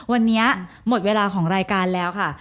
วันนี้หมดเวลาของรายการแล้วค่ะ